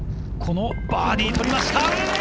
バーディーを取りました。